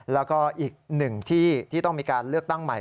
แล้วก็อีกหนึ่งที่ที่ต้องมีการเลือกตั้งใหม่